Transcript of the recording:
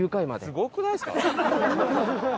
すごくないですか？